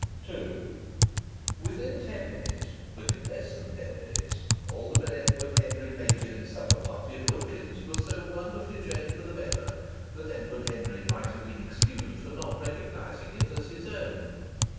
II Within ten minutes, within less than ten minutes, Alderman Edward Henry Machin's supper party at Wilkins's was so wonderfully changed for the better that Edward Henry might have been excused for not recognizing it as his own.